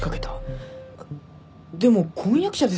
でも婚約者ですよ。